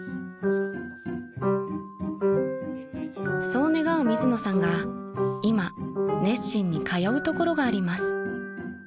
［そう願う水野さんが今熱心に通う所があります］